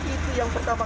itu yang pertama